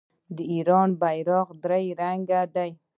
د ایران بیرغ درې رنګه دی.